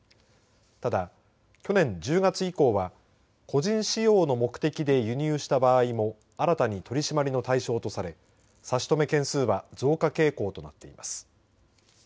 ただ去年１０月以降は個人使用の目的で輸入した場合も新たに取締りの対象とされ差し止め件数は増加傾向となっています。